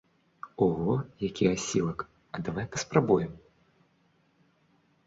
Ого, які асілак, а давай папрабуем?